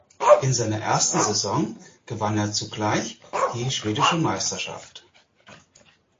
In seiner ersten Saison gewann er zugleich die schwedische Meisterschaft.